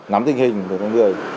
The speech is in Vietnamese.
nắm tình hình của con người